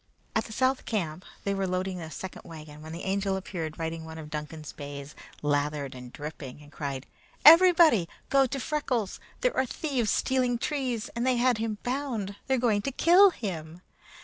At the South camp they were loading a second wagon, when the Angel appeared riding one of Duncan's bays, lathered and dripping, and cried: "Everybody go to Freckles! There are thieves stealing trees, and they had him bound. They're going to kill him!"